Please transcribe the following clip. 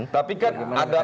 tapi kan ada